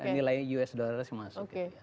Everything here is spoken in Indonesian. nilai us dollar semuanya